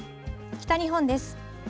北日本です。